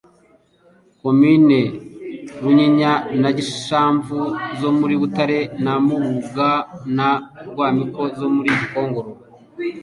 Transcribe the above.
Komini Runyinya na Gishamvu zo muri Butare na Mubuga na Rwamiko zo muri Gikongoro)